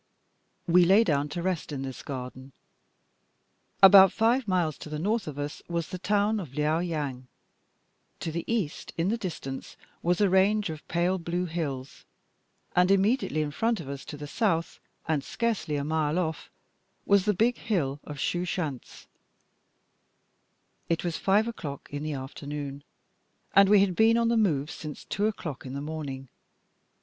We lay down to rest in this garden. About five miles to the north of us was the town of Liao yang; to the east in the distance was a range of pale blue hills, and immediately in front of us to the south, and scarcely a mile off, was the big hill of Sho shantze. It was five o'clock in the afternoon, and we had been on the move since two o'clock in the morning.